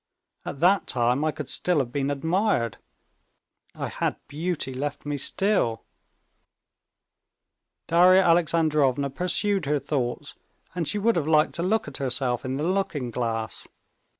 At that time I could still have been admired, I had beauty left me still," Darya Alexandrovna pursued her thoughts, and she would have liked to look at herself in the looking glass.